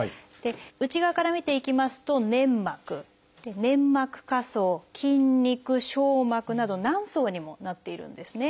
内側から見ていきますと粘膜粘膜下層筋肉しょう膜など何層にもなっているんですね。